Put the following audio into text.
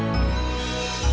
makasih ya ken